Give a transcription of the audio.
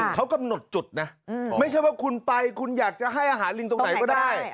เขากำหนดจุดนะไม่ใช่ว่าคุณไปคุณอยากจะให้อาหารลิงตรงไหนก็ได้